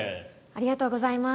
ありがとうございます。